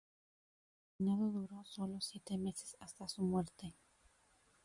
Su reinado duró solo siete meses hasta su muerte.